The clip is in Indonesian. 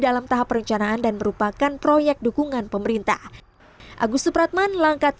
dalam tahap perencanaan dan merupakan proyek dukungan pemerintah agus supratman langkat